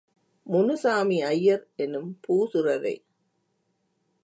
முனுசாமி ஐயர் எனும் பூசுரரே!